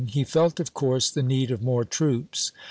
He felt, of course, the need of more troops.